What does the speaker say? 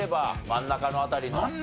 真ん中の辺り？